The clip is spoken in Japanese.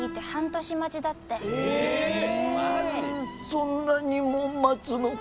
そんなにも待つのか。